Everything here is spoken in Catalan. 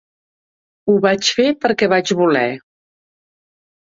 Ho vaig fer perquè vaig voler.